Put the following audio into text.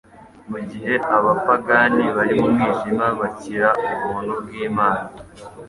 Mu gihe abapagane bari mu mwijima bakira ubuntu bw'Imana;